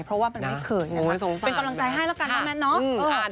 เพราะว่ามันไม่เคยนะคะเป็นกำลังใจให้แล้วกันน้องแมทเนาะ